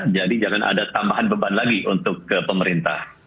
jadi jangan ada tambahan beban lagi untuk pemerintah